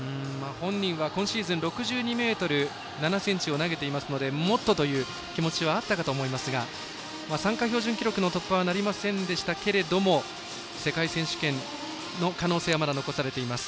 本人は今シーズン６２ｍ７ｃｍを投げていますのでもっとという気持ちはあったかと思いますが参加標準記録の突破はなりませんでしたけども世界選手権の可能性はまだ残されています。